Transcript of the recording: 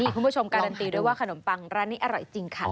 คุณผู้ชมการันตีด้วยว่าขนมปังร้านนี้อร่อยจริงค่ะ